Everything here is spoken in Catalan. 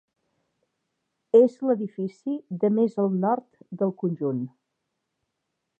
És l'edifici de més al nord del conjunt.